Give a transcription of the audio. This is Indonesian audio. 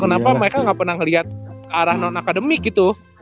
kenapa mereka gak pernah ngeliat arah non akademik gitu